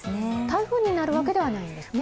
台風になるわけではないんですね。